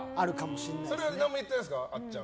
それは中田さんも何も言ってないんですか？